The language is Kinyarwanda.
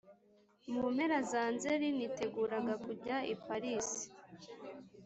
mu mpera za nzeri niteguraga kujya i parisi,